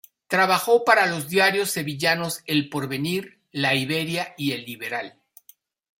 Trabajó para los diarios sevillanos "El Porvenir", "La Iberia" y "El Liberal".